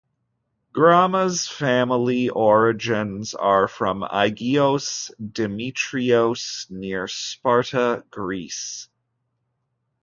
Grammas's family origins are from Agios Dimitrios near Sparta, Greece.